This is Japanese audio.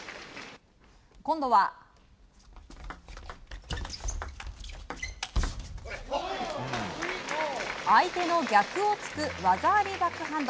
今度は相手の逆を突く技ありバックハンド。